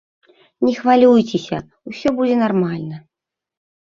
Не хвалюйцеся, усё будзе нармальна.